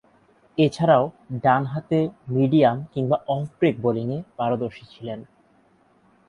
এছাড়াও, ডানহাতে মিডিয়াম কিংবা অফ ব্রেক বোলিংয়ে পারদর্শী ছিলেন।